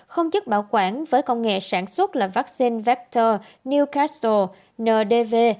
không chức bảo quản với công nghệ sản xuất là vaccine vector newcastle ndv